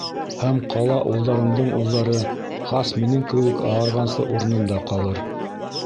Һәм ҡала улдарымдың улдары, хас минең кеүек ағарғансы, урынында ҡалыр.